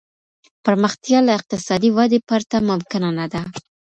پرمختيا له اقتصادي ودي پرته ممکنه نه ده.